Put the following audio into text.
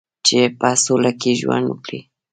چې په سوله کې ژوند وکړي.